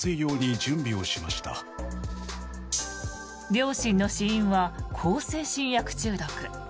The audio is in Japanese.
両親の死因は向精神薬中毒。